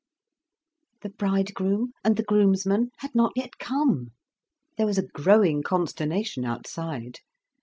The bridegroom and the groom's man had not yet come. There was a growing consternation outside.